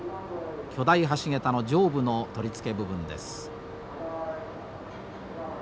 巨大橋桁の上部の取り付け部分です。